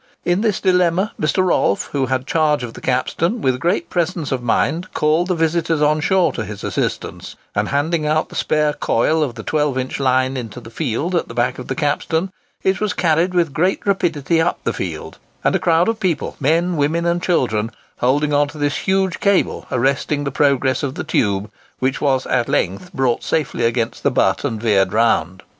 In this dilemma Mr. Rolfe, who had charge of the capstan, with great presence of mind, called the visitors on shore to his assistance; and handing out the spare coil of the 12 inch line into the field at the back of the capstan, it was carried with great rapidity up the field, and a crowd of people, men, women, and children, holding on to this huge cable, arresting the progress of the tube, which was at length brought safely against the butt and veered round.